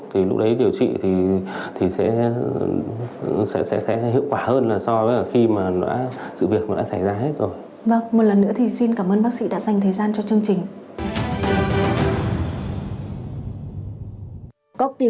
thì lúc đấy điều trị thì sẽ hiệu quả hơn so với khi mà sự việc đã xảy ra hết rồi